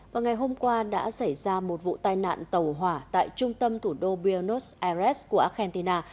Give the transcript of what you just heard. vào ngày hôm qua đã xảy ra một vụ tai nạn tàu hỏa tại trung tâm thủ đô buenos aires của argentina